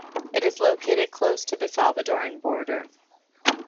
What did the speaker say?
It is located close to the Salvadoran border.